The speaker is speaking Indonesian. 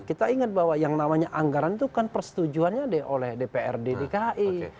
kita ingat bahwa yang namanya anggaran itu kan persetujuannya oleh dprd dki